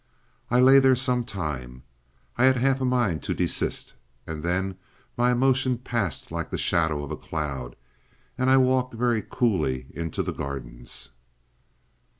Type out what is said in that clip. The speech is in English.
I lay there some time. I had half a mind to desist, and then my emotion passed like the shadow of a cloud, and I walked very coolly into the gardens.